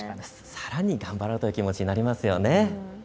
さらに頑張ろうという気持ちになりますよね。